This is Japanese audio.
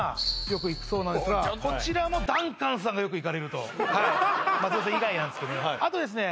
よく行くそうなんですがこちらもダンカンさんがよく行かれると松村さん以外なんですけどねあとですね